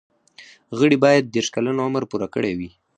غړي باید دیرش کلن عمر پوره کړی وي.